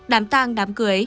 đám tang đám cưới